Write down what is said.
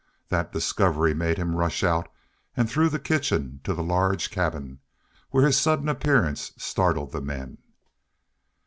That discovery made him rush out, and through the kitchen to the large cabin, where his sudden appearance startled the men.